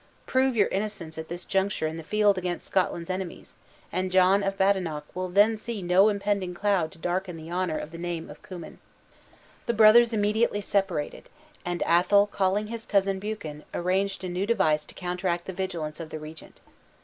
Prove your innocence at this juncture in the field against Scotland's enemies; and John of Badenoch will then see no impending cloud to darken the honor of the name of Cummin!" The brothers immediately separated; and Athol calling his cousin Buchan arranged a new device to counteract the vigilance of the regent.